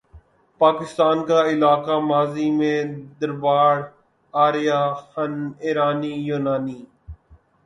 پاکستان کا علاقہ ماضی میں دراوڑ، آریا، ہن، ایرانی، یونانی،